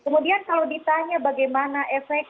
kemudian kalau ditanya bagaimana efek